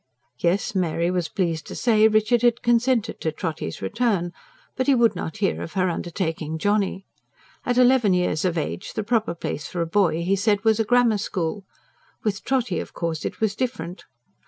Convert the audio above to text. Yes, Mary was pleased to say Richard had consented to Trotty's return; but he would not hear of her undertaking Johnny. At eleven years of age the proper place for a boy, he said, was a Grammar School. With Trotty, of course, it was different.